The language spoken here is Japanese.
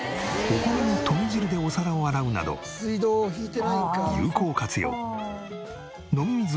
お米の研ぎ汁でお皿を洗うなど有効活用。